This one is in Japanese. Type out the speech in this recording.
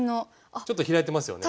ちょっと開いてますよね。